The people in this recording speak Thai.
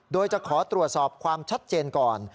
โดยจะขอตรวจสอบความชัดเจนก่อน